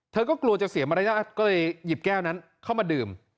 เธอก็กลัวจะเสียมารยาทก็เลยหยิบแก้วนั้นเข้ามาดื่ม